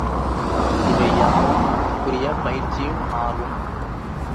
இவை யாவும் நமக்குரிய பயிற்சியும் ஆகும்.